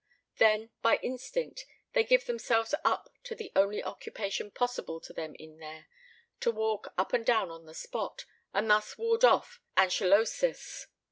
Then by instinct they give themselves up to the only occupation possible to them in there to walk up and down on the spot, and thus ward off anchylosis.